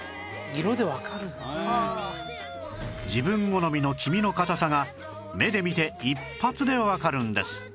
自分好みの黄身の固さが目で見て一発でわかるんです